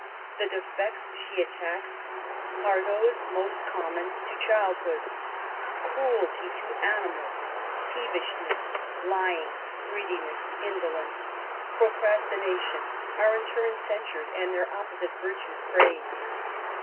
The defects she attacks are those most common to childhood. Cruelty to animals, peevishness, lying, greediness, in dolence, procrastination, are in turn censured, and their opposite virtues praised.